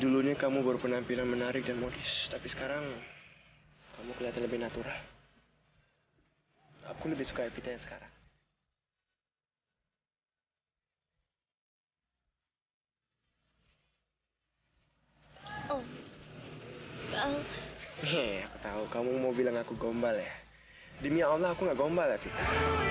gue ke rumahnya evita ternyata dia udah gak tinggal di situ